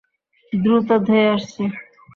দ্রুত ধেয়ে আসছে।